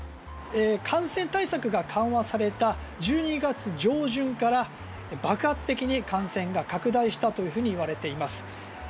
感染対策が緩和された１２月上旬から爆発的に感染が拡大したといわれています。